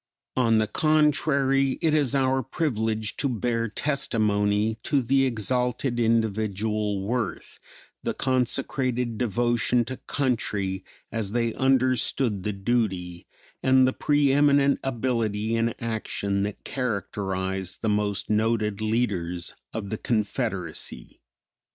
On the contrary it is our privilege to bear testimony to the exalted individual worth, the consecrated devotion to country as they understood the duty, and the pre eminent ability in action that characterized the most noted leaders of the Confederacy.